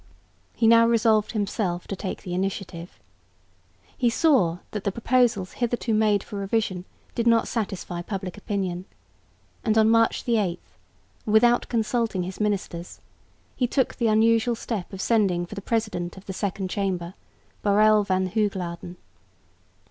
He now resolved himself to take the initiative. He saw that the proposals hitherto made for revision did not satisfy public opinion; and on March 8, without consulting his ministers, he took the unusual step of sending for the President of the Second Chamber, Boreel van Hogelanden.